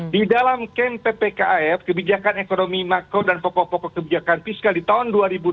di dalam kem ppkm kebijakan ekonomi makro dan pokok pokok kebijakan fiskal di tahun dua ribu dua puluh